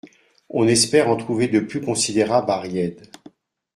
On espère en trouver de plus considérables à Ried.